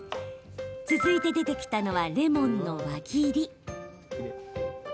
続いて出てきたのはレモンの輪切り。